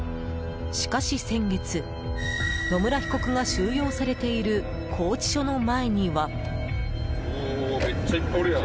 しかし先月、野村被告が収容されている拘置所の前には。